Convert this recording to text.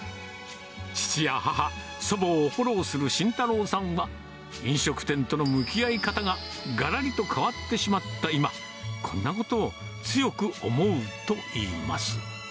父や母、祖母をフォローする慎太郎さんは、飲食店との向き合い方ががらりと変わってしまった今、こんなことを強く思うといいます。